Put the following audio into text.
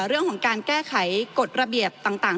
เรื่องของการแก้ไขกฎระเบียบต่าง